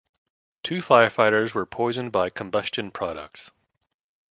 Two firefighters were poisoned by combustion products.